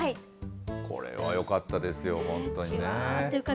これはよかったですよ、本当にね。